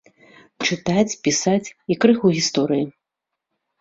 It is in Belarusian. Чытаць, пісаць і крыху гісторыі.